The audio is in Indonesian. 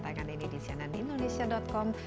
tanyakan ini di cnnindonesia com